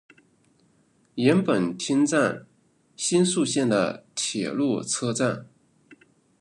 岩本町站新宿线的铁路车站。